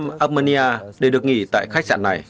chúng tôi đã đến armenia để được nghỉ tại khách sạn này